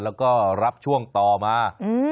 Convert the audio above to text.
แล้วก็รับช่วงต่อมา